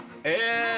え！